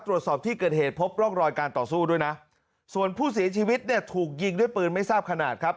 ตรวจสอบที่เกิดเหตุพบร่องรอยการต่อสู้ด้วยนะส่วนผู้เสียชีวิตเนี่ยถูกยิงด้วยปืนไม่ทราบขนาดครับ